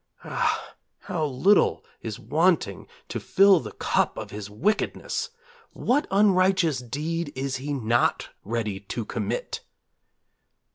Ah, how little is wanting to fill the cup of his wickedness! What unrighteous deed is he not ready to commit.